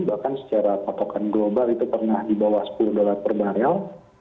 bahkan secara patokan global itu pernah di bawah sepuluh dolar per barel